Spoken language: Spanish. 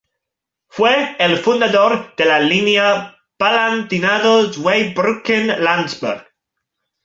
Fue el fundador de la línea Palatinado-Zweibrücken-Landsberg.